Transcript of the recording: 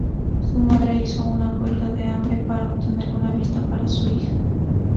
Su madre hizo una huelga de hambre para obtener una visa para su hija.